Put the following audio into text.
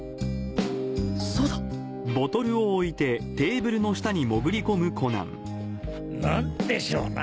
そうだ！何でしょうな？